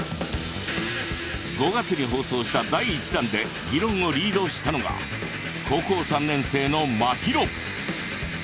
５月に放送した第１弾で議論をリードしたのが高校３年生のまひろ。